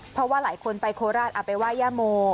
เพราะว่าหลายคนไปโคราชเอาไปไหว้ย่าโม